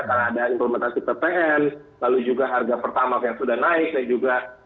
karena ada implementasi ppn lalu juga harga pertamak yang sudah naik